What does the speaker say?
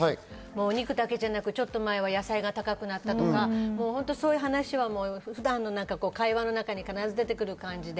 お肉だけじゃなく、ちょっと前は野菜が高くなったとか、普段の会話の中に必ず出てくる感じで。